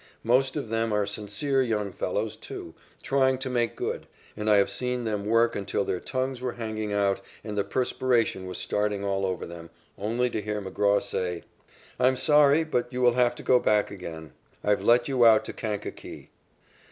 Most of them are sincere young fellows, too, trying to make good, and I have seen them work until their tongues were hanging out and the perspiration was starting all over them, only to hear McGraw say: "I'm sorry, but you will have to go back again. I've let you out to Kankakee."